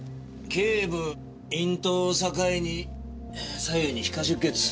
頸部咽頭を境に左右に皮下出血。